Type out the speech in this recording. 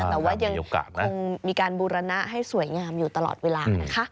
แต่ว่ายังคงมีการบูรณะให้สวยงามอยู่ตลอดเวลานะคะ